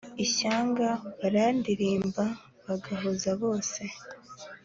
Ishyanga barandirimba bagahoza bose